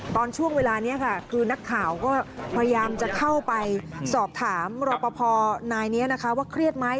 ตอนช่วงเวลานี้ค่ะคือนักข่าวก็พยายามจะเข้าไปสอบถามรอปภนายนี้นะคะว่าเครียดไหม